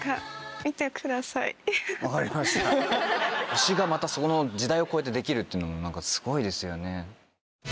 推しがまたそこの時代を超えてできるっていうのもすごいですよね。